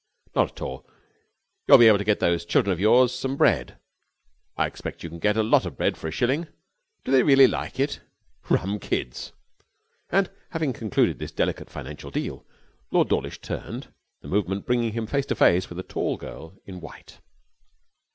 'Not at all. You'll be able to get those children of yours some bread I expect you can get a lot of bread for a shilling. Do they really like it? Rum kids!' And having concluded this delicate financial deal Lord Dawlish turned, the movement bringing him face to face with a tall girl in white.